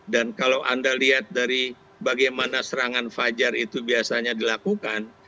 dan kalau anda lihat dari bagaimana serangan fajar itu biasanya dilakukan